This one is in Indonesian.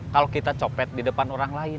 kalau kita copet di depan orang lain